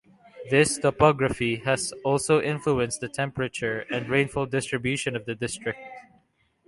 This topography has also influenced the temperature and rainfall distribution of the district.